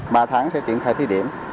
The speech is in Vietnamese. ba tháng sẽ triển khai thi điểm